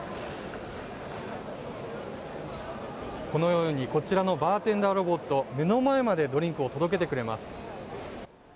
このようにこちらのバーテンダーロボット目の前までドリンクを届けてくれます。